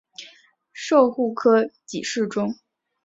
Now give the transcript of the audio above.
授户科给事中。